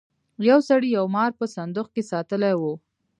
یو سړي یو مار په صندوق کې ساتلی و.